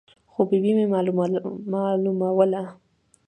خو ببۍ مې معلوموله.